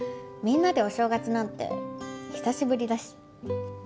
みんなでお正月なんて久しぶりだし